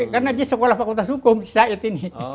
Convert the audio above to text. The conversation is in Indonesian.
karena di sekolah fakultas hukum said ini